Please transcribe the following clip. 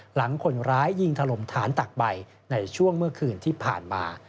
หลังคนร้ายยิงถล่มฐานตักใบในช่วงเมื่อคืนที่ผ่านมา